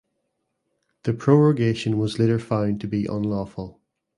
The prorogation was later found to be unlawful.